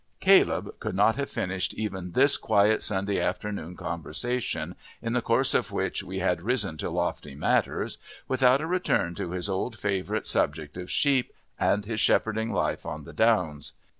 Caleb could not have finished even this quiet Sunday afternoon conversation, in the course of which we had risen to lofty matters, without a return to his old favourite subjects of sheep and his shepherding life on the downs.